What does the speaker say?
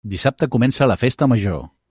Dissabte comença la Festa Major.